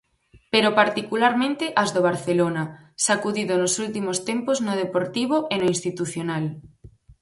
Pero particularmente as do Barcelona, sacudido nos últimos tempos no deportivo e no institucional.